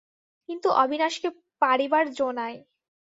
কিন্তু অবিনাশকে পারিবার জো নাই।